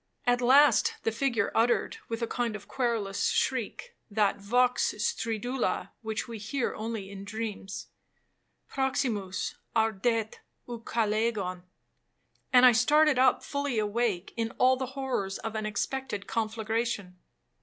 At last the figure uttered, with a kind of querulous shriek,—that vox stridula which we hear only in dreams, 'Proximus ardet Ucalegon,' and I started up fully awake, in all the horrors of an expected conflagration.